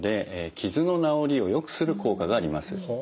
傷の治りをよくする効果があります。